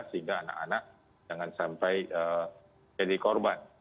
sehingga anak anak jangan sampai jadi korban